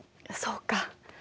そうか。